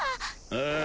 ああ。